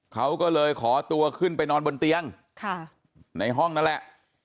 เขาก็เลยขอตัวขึ้นไปนอนบนเตียงในห้องนั่นแหละ